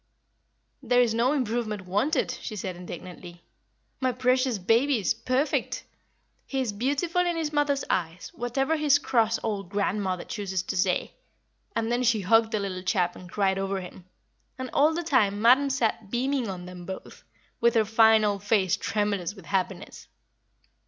"'There is no improvement wanted,' she said, indignantly. 'My precious baby is perfect. He is beautiful in his mother's eyes, whatever his cross old grandmother chooses to say!' And then she hugged the little chap and cried over him, and all the time Madam sat beaming on them both, with her fine old face tremulous with happiness.